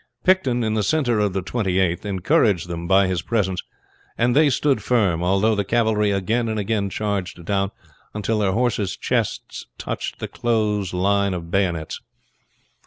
Picton in the center of the Twenty eighth encouraged them by his presence, and they stood firm, although the cavalry again and again charged down until their horse's chests touched the close line of bayonets.